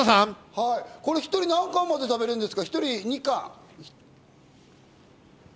これ１人、何貫まで食べられるんですか？